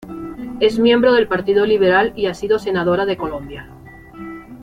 Es miembro del Partido Liberal y ha sido Senadora de Colombia.